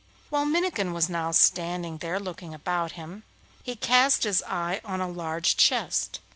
While Minnikin was now standing there looking about him, he cast his eye on a large chest.